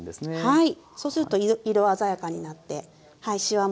はい。